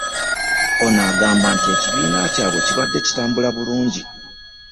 Ono agamba nti ekibiina kyabwe kibadde kitambula bulungi